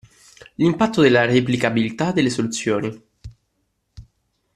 L'impatto della replicabilità delle soluzioni.